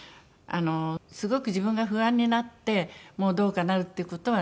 すごく自分が不安になってもうどうかなるっていう事はなくなりました。